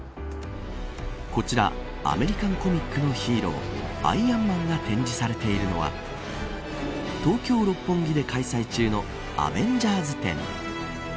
こちらアメリカンコミックのヒーローアイアンマンが展示されているのは東京、六本木で開催中のアベンジャーズ展。